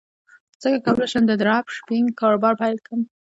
څنګه کولی شم د ډراپ شپینګ کاروبار پیل کړم